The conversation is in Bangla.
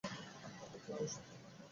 যাও, মেই।